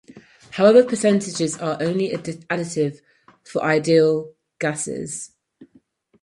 However, percentages are only additive for ideal gases.